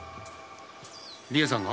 理恵さんが？